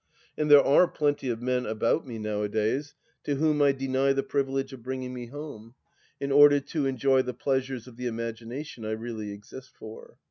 And there are plenty of men about me nowadays to whom I deny the privilege of bringmg me home, in order to enjoy the pleasures of the imagination I really exist for.